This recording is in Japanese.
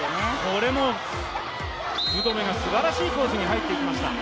これも福留がすばらしいコースに入っていきました。